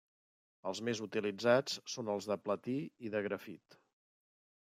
Els més utilitzats són els de platí i de grafit.